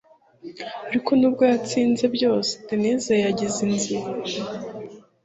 ariko nubwo yatsinze byose, dennis yagize inzika